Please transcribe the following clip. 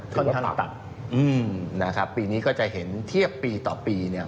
ค่อนข้างต่ำนะครับปีนี้ก็จะเห็นเทียบปีต่อปีเนี่ย